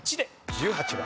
１８番。